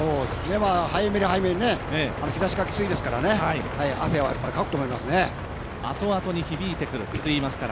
早めに早めにね、日ざしがきついですからね汗はやっぱりかくと思いますね。